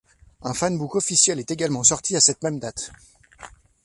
Un fanbook officiel est également sorti à cette même date.